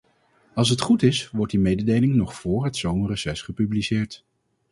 Als het goed is, wordt die mededeling nog voor het zomerreces gepubliceerd.